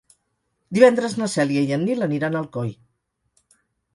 Divendres na Cèlia i en Nil aniran a Alcoi.